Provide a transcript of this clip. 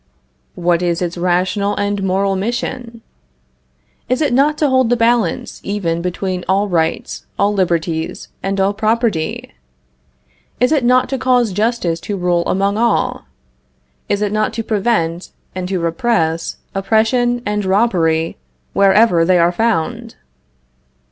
What is its rational and moral mission? Is it not to hold the balance even between all rights, all liberties, and all property? Is it not to cause justice to rule among all? Is it not to prevent and to repress oppression and robbery wherever they are found?